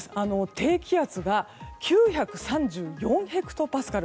低気圧が９３４ヘクトパスカル。